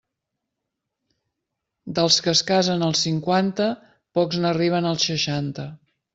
Dels que es casen als cinquanta, pocs n'arriben als seixanta.